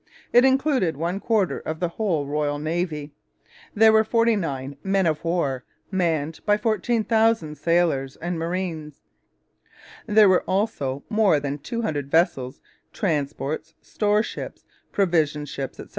It included one quarter of the whole Royal Navy. There were 49 men of war manned by 14,000 sailors and marines. There were also more than 200 vessels transports, store ships, provision ships, etc.